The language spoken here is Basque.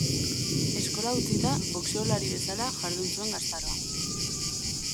Eskola utzita boxeolari bezala jardun zuen gaztaroan.